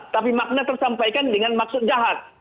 tapi makna tersampaikan dengan maksud jahat